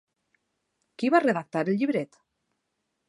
Qui va redactar el llibret?